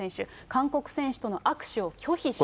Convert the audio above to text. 韓国選手との握手を拒否したと。